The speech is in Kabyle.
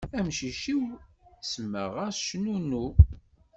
Amcic-iw semmaɣ-as cnunnu.